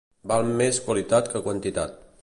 Val més qualitat que quantitat